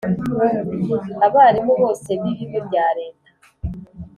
Abarimu bose bibigo bya leta